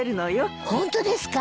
ホントですか？